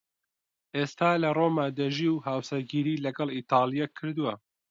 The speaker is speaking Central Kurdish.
ئێستا لە ڕۆما دەژی و هاوسەرگیریی لەگەڵ ئیتاڵییەک کردووە.